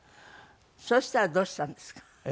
そうしたらどうしたんですか？